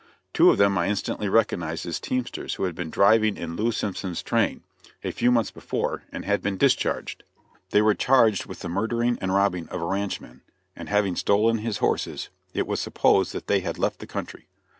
Two of them I instantly recognized as teamsters who had been driving in Lew Simpson's train, a few months before, and had been discharged. They were charged with the murdering and robbing of a ranchman; and having stolen his horses it was supposed that they had left the country.